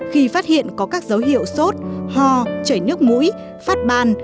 khi phát hiện có các dấu hiệu sốt ho chảy nước mũi phát ban